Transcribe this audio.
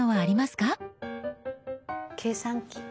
計算機。